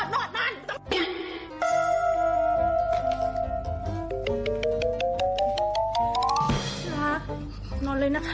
ครับนอนเลยนะคะ